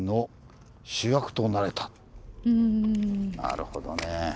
なるほどね。